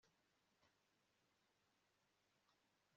akaba anashoboye kandi akwiye gutanga